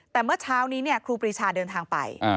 แต่เมื่อเช้านี้ครูปรีชาเดินทางไป